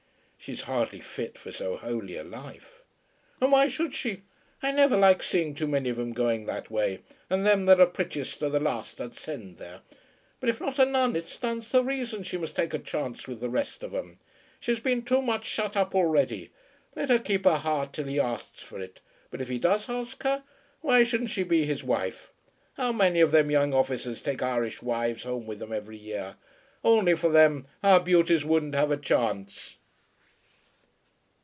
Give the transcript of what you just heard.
"She is hardly fit for so holy a life." "And why should she? I niver like seeing too many of 'em going that way, and them that are prittiest are the last I'd send there. But if not a nun, it stands to reason she must take chance with the rest of 'em. She's been too much shut up already. Let her keep her heart till he asks her for it; but if he does ask her, why shouldn't she be his wife? How many of them young officers take Irish wives home with 'em every year. Only for them, our beauties wouldn't have a chance."